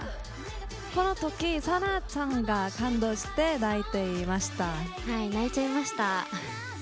このときサナちゃんが感動して泣いちゃいました。